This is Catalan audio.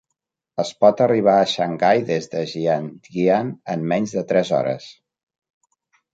Es pot arribar a Xangai des de Jiangyan en menys de tres hores.